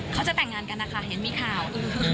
เขาจะแต่งงานกันนะคะเห็นมีข่าว